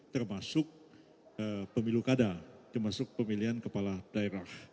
termasuk pemilu kada termasuk pemilihan kepala daerah